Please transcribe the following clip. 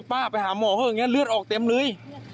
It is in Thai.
โห้พ่าไปหาหมอเงี้ยเลือดออกเต็มเลย